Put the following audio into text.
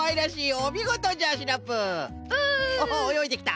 おっおよいできた。